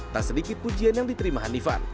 tak sedikit pujian yang diterima hanifan